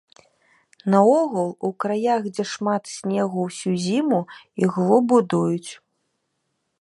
Наогул у краях, дзе шмат снегу ўсю зіму, іглу будуюць.